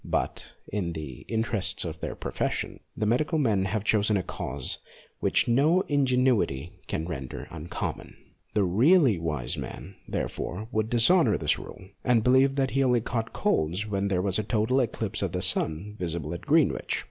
But, in the interests of their profession, the medical men have chosen a cause which no ingenuity can render uncommon. The really wise man, therefore, would dishonour this rule, and believe that he only caught colds when there was a total eclipse of the sun visible at Greenwich.